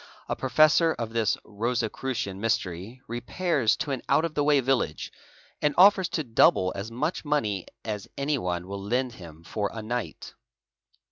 <A professor — of this Rosicrucian mystery repairs to an out of the way village and offers — to double as much money an anyone will lend him for a night.